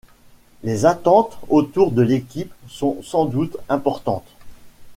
Les attentes autour de l'équipe sont sans doute importantes.